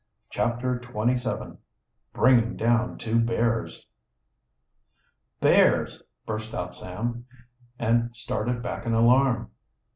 CHAPTER XXVII. BRINGING DOWN TWO BEARS. "Bears!" burst out Sam, and started back in alarm.